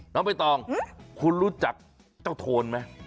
น้องเบ้ยตองคุณรู้จักเจ้าโทนมั้ย